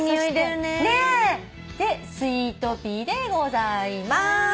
でスイートピーでございます。